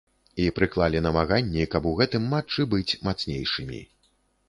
І прыклалі намаганні, каб у гэтым матчы быць мацнейшымі.